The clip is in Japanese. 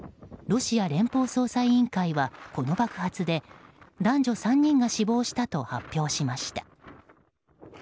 ロシア連邦捜査委員会はこの爆発で男女３人が死亡したと発表しました。